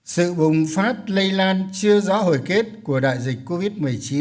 sự bùng phát lây lan chưa rõ hồi kết của đại dịch covid một mươi chín